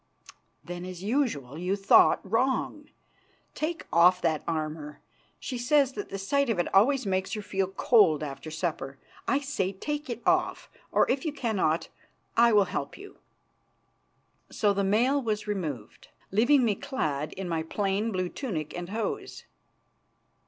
"Then, as usual, you thought wrong. Take off that armour; she says that the sight of it always makes her feel cold after supper. I say take it off; or if you cannot, I will help you." So the mail was removed, leaving me clad in my plain blue tunic and hose.